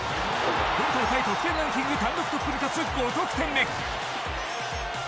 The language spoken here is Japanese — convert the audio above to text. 今大会、得点ランキング単独トップに立つ５得点目。